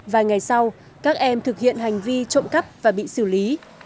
vài ngày sau các em thực hiện hành vi trộm cắp và bị xử lý